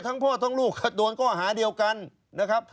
พ่อทั้งลูกก็โดนข้อหาเดียวกันนะครับ